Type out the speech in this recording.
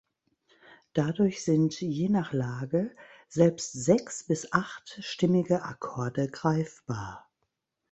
Dadurch sind je nach Lage selbst sechs- bis achtstimmige Akkorde greifbar.